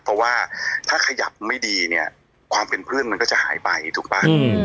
เพราะว่าถ้าขยับไม่ดีเนี่ยความเป็นเพื่อนมันก็จะหายไปถูกป่ะ